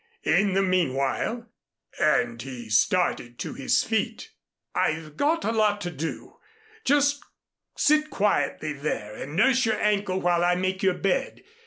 In the meanwhile" and he started to his feet, "I've got a lot to do. Just sit quietly there and nurse your ankle while I make your bed.